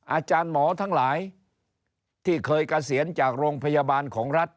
อาจารย์หมอทั้งหลายที่เคยเกษียณจากโรงพยาบาลของรัฐ